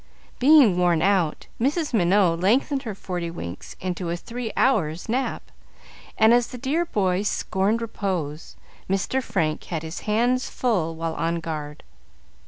Being worn out, Mrs. Minot lengthened her forty winks into a three hours' nap, and as the "dear boy" scorned repose, Mr. Frank had his hands full while on guard.